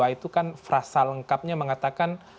itu kan frasa lengkapnya mengatakan